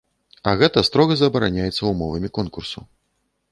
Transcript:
А гэта строга забараняецца ўмовамі конкурсу.